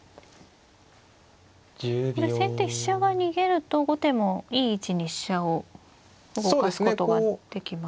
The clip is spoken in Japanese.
これ先手飛車が逃げると後手もいい位置に飛車を動かすことができますね。